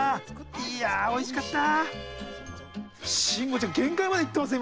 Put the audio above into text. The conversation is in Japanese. いやおいしかった！